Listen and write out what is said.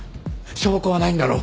証拠はないんだろ。